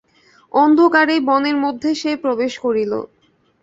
অন্ধকারেই বনের মধ্যে সে প্রবেশ করিল।